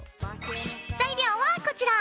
材料はこちら。